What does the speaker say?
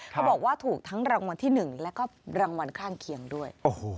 เขาบอกว่าถูกทั้งรางวัลที่๑แล้วก็รางวัลข้างเคียงด้วย